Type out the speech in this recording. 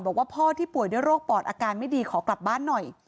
บอกว่าพ่อที่ป่วยด้วยโรคปอดอาการไม่ดีขอกลับบ้านหน่อย